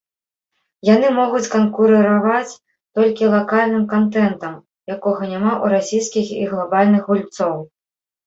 Яны могуць канкурыраваць толькі лакальным кантэнтам, якога няма ў расійскіх і глабальных гульцоў.